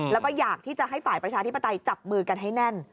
แล้วก็อยากที่จะให้ฝ่ายประชาธิปไตยจับมือกันให้แน่น